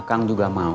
kang juga mau